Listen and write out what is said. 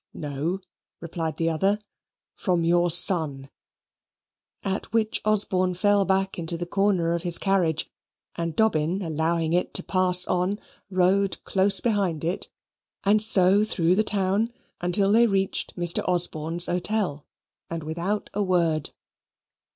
"No," replied the other, "from your son"; at which Osborne fell back into the corner of his carriage, and Dobbin allowing it to pass on, rode close behind it, and so through the town until they reached Mr. Osborne's hotel, and without a word.